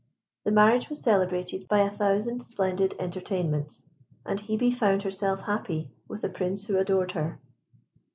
The marriage was celebrated by a thousand splendid entertainments, and Hebe found herself happy with a Prince who adored her.